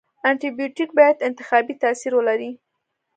انټي بیوټیک باید انتخابي تاثیر ولري.